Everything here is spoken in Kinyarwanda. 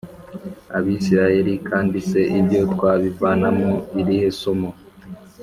Abisirayeli kandi se ibyo twabivanamo irihe somo